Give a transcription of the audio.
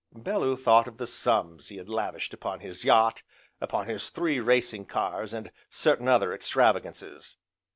Bellew thought of the sums he had lavished upon his yacht, upon his three racing cars, and certain other extravagances.